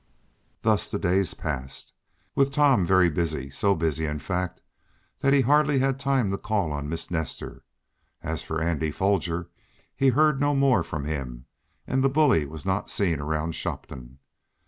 Thus the days passed, with Tom very busy; so busy, in fact, that he hardly had time to call on Miss Nestor. As for Andy Foger, he heard no more from him, and the bully was not seen around Shopton.